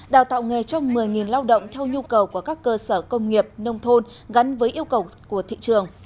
đào tạo nghề cho một mươi lao động theo nhu cầu của các cơ sở công nghiệp nông thôn gắn với yêu cầu của thị trường